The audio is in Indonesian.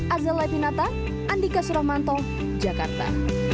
azale pinata andika suramanto jakarta